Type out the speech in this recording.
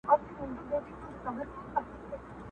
د ُملا په څېر به ژاړو له اسمانه!